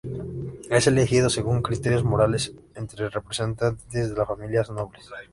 Es elegido según criterios morales entre representantes de las familias nobles.